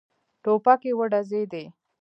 ټوپکې وډزېدې.